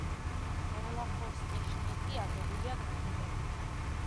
გერლახოვსკი-შტიტი აგებულია გრანიტებით.